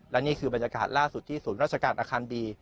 และนี่คือบรรยากาศล่าสุดที่ศูนย์ราชการอาคารบี